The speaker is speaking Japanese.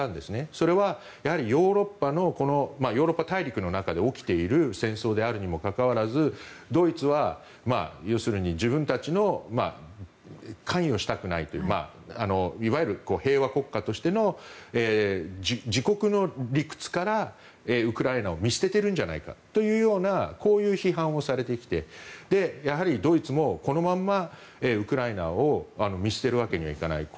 それはやはりヨーロッパ大陸の中で起きている戦争であるにもかかわらずドイツは要するに自分たちは関与したくないといういわゆる平和国家としての自国の理屈からウクライナを見捨ててるんじゃないかというようなこういう批判をされてきてやはりドイツもこのままウクライナを見捨てるわけにはいかないと。